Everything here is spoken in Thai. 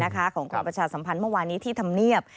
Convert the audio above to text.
ของกรมประชาสัมพันธ์เมื่อวานี้ที่ทำเนียบ